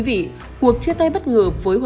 và cuộc chia tay bất ngờ của quý vị đã được xác định